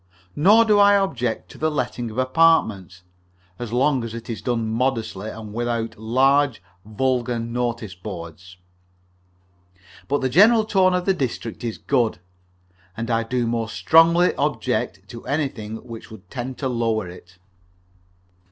Nor do I object to the letting of apartments, as long as it is done modestly, and without large, vulgar notice boards. But the general tone of the district is good, and I do most strongly object to anything which would tend to lower it.